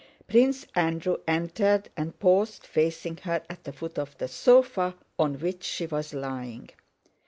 Prince Andrew entered and paused facing her at the foot of the sofa on which she was lying.